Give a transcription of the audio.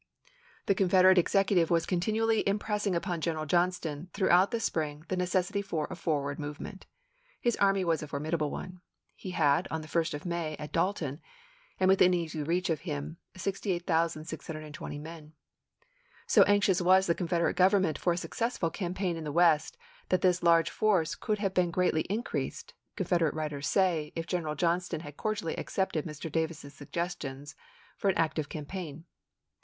The Confederate executive was continually impressing upon General Johnston, throughout the spring, the necessity for a forward movement. His army was a formidable one. He had, on the 1st of May, at Dalton, and within easy reach of him, 68,620 men.1 So anxious was the Confederate Gov ernment for a successful campaign in the West, that this large force could have been greatly in creased, Confederate writers say, if General John ston had cordially accepted Mr. Davis's suggestions for an active campaign.